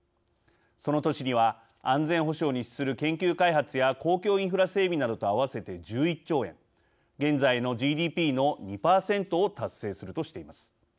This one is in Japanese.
その年には安全保障に資する研究開発や公共インフラ整備などと合わせて１１兆円現在のＧＤＰの２％を達成するとしています。